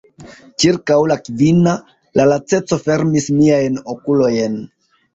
Ĉirkaŭ la kvina, la laceco fermis miajn okulojn.